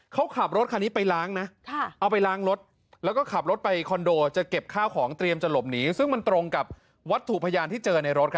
เพราะว่าตรงเบาะหน้าคุณผู้ชมเห็นไหม